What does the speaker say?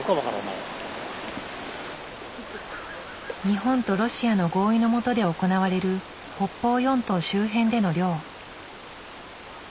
日本とロシアの合意のもとで行われる北方四島周辺での漁。